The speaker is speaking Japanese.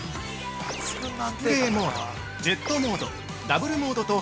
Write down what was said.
◆スプレーモード、ジェットモード、Ｗモードと